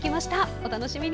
お楽しみに。